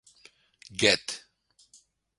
Goethe.